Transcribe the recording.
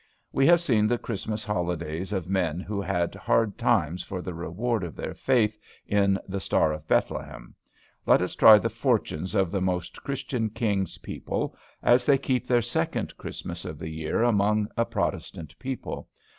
We have seen the Christmas holidays of men who had hard times for the reward of their faith in the Star of Bethlehem. Let us try the fortunes of the most Christian King's people, as they keep their second Christmas of the year among a Protestant people.